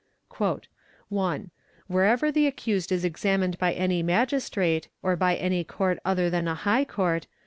(1) Wherever the accused is examined by any Magistrate, or by any Court other than a High Court......